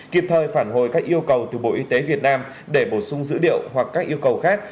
kịp thời phản hồi các yêu cầu từ bộ y tế việt nam để bổ sung dữ liệu hoặc các yêu cầu khác